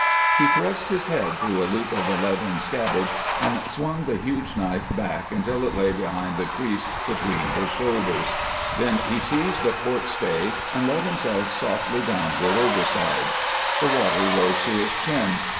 He thrust his head through a loop of the leathern scabbard, and swung the huge knife back until it lay along the crease between his shoulders; then he seized the port stay and let himself softly downward overside. The water rose to his chin.